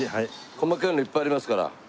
細かいのいっぱいありますから。